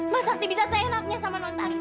masakti bisa seenaknya sama nontalita